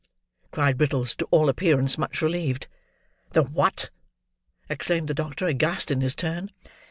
cried Brittles, to all appearance much relieved. "The what?" exclaimed the doctor, aghast in his turn.